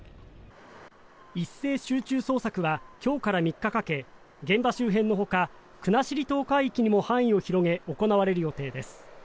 一斉集中捜索は今日から３日かけ現場周辺のほか国後島海域にも範囲を広げ行われる予定です。